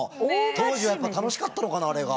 当時はやっぱ楽しかったのかなあれが。